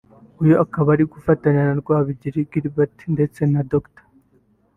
uyu akaba ari gufatanya na Rwabigwi Gilbert ndetse na Dr